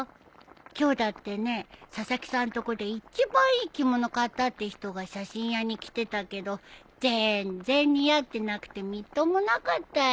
今日だってね佐々木さんとこで一番いい着物買ったって人が写真屋に来てたけど全然似合ってなくてみっともなかったよ。